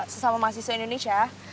sesama mahasiswa indonesia